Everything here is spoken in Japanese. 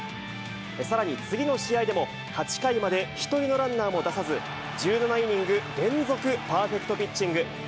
さらに、次の試合でも、８回まで１人のランナーも出さず、１７イニング連続パーフェクトピッチング。